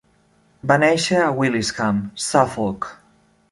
Va néixer a Willisham, Suffolk.